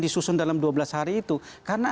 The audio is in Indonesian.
disusun dalam dua belas hari itu karena